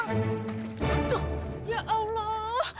aduh ya allah